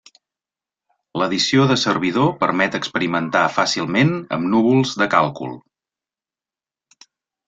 L'edició de servidor permet experimentar fàcilment amb núvols de càlcul.